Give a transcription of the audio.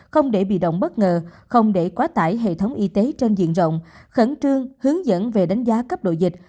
không để bị động bất ngờ không để quá tải hệ thống y tế trên diện rộng khẩn trương hướng dẫn về đánh giá cấp độ dịch